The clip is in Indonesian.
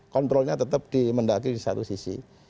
kontrolnya tetap di mendagri di satu sisi